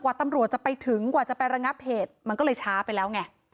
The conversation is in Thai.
ตำรวจจะไปถึงกว่าจะไประงับเหตุมันก็เลยช้าไปแล้วไง